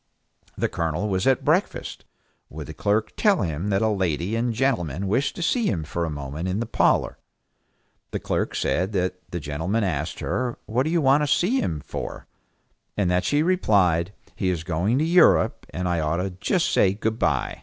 The Colonel was at breakfast. Would the clerk tell him that a lady and gentleman wished to see him for a moment in the parlor? The clerk says that the gentleman asked her, "What do you want to see him for?" and that she replied, "He is going to Europe, and I ought to just say good by."